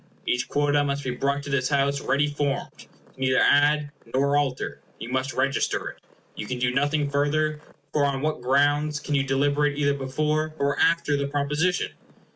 Each quota must be brought to this House ready formed; you can neither add nor alter. You must register it. You can do nothing further, for on what grounds can you deliberate either before or after the proposition?